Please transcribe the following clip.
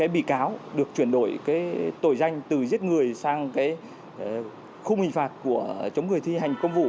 một mươi chín bị cáo được chuyển đổi tội danh từ giết người sang khung hình phạt của chống người thi hành công vụ